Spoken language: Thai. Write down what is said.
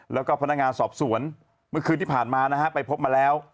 แล้วก็พนักงานสอบสวนเมื่อคืนที่ผ่านมานะฮะไปพบมาแล้ว